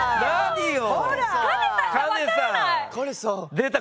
出た！